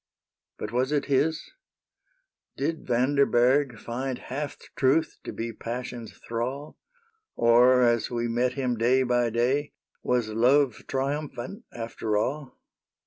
But was it his ? Did Vanderberg Find half truth to be passion's thrall. Or as we met him day by day. Was love triumphant, after all